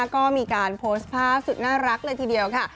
ก็มีการโพสต์ภาพสุดน่ารักเลยทีเดียวค่ะ